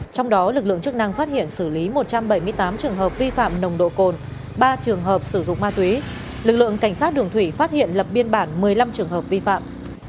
trong đó lực lượng chức năng phát hiện xử lý một trăm bảy mươi tám trường hợp vi phạm nồng độ cồn ba trường hợp sử dụng ma túy lực lượng cảnh sát đường thủy phát hiện lập biên bản một mươi năm trường hợp vi phạm